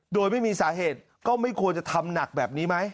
โดยไม่มีสาเหตุก็ไม่ควรจะทำหนักแบบนี้ไหม